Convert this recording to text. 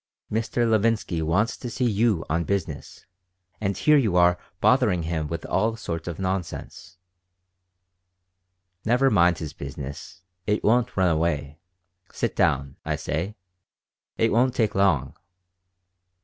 "Mr. Levinsky wants to see you on business, and here you are bothering him with all sorts of nonsense "Never mind his business. It won't run away. Sit down, I say. It won't take long."